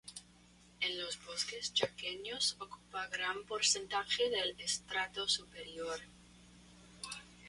En los bosques chaqueños ocupa gran porcentaje del estrato superior.